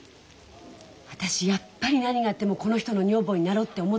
私やっぱり何があってもこの人の女房になろうって思った。